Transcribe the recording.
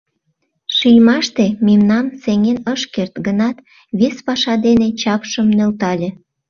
Шиймаште мемнам сеҥен ыш керт гынат, вес паша дене чапшым нӧлтале.